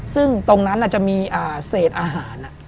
ซึ่งตรงนั้นจะมีเศษอาหาร